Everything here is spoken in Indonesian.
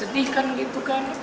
sedih kan gitu kan